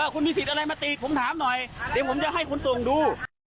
คุณมีสิทธิ์อะไรมาตีผมถามหน่อยเดี๋ยวผมจะให้คุณส่งดู